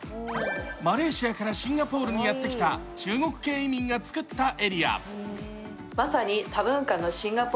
マレーシアからシンガポールにやってきた中国系移民が作ったエリア。